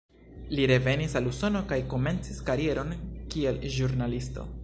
Li revenis al Usono kaj komencis karieron kiel ĵurnalisto.